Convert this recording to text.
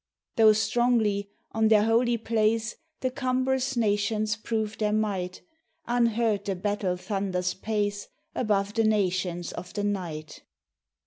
Tho' strongly on their holy place The cumbrous nations prove their might, Unheard the battle thunders pace Above the nations of the night.